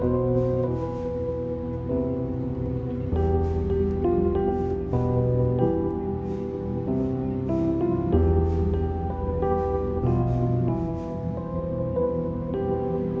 kamu punya uang